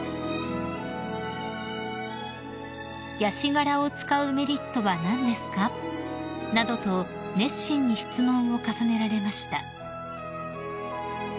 ［「ヤシ殻を使うメリットは何ですか？」などと熱心に質問を重ねられました］